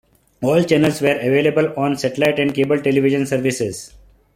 All channels were available on satellite and cable television services.